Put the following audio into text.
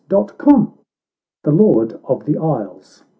5C0 THE LORD OF THE ISLES.